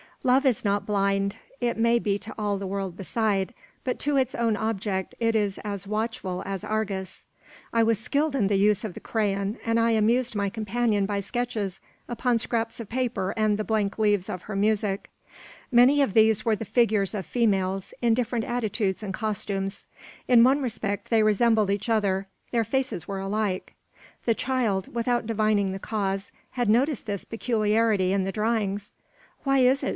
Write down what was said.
Love is not blind. It may be to all the world beside; but to its own object it is as watchful as Argus. I was skilled in the use of the crayon, and I amused my companion by sketches upon scraps of paper and the blank leaves of her music. Many of these were the figures of females, in different attitudes and costumes. In one respect they resembled each other: their faces were alike. The child, without divining the cause, had noticed this peculiarity in the drawings. "Why is it?"